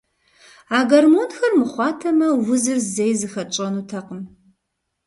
А гормонхэр мыхъуатэмэ, узыр зэи зыхэтщӏэнутэкъым.